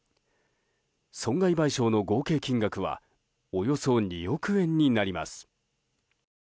損害賠償の合計金額はおよそ２億円になります。